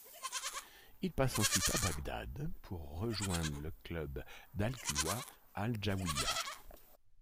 Il passe ensuite à Bagdad pour rejoindre le club d'Al Quwa Al Jawiya.